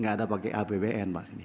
gak ada pakai abbn pak